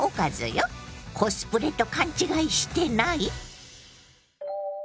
コスプレと勘違いしてない？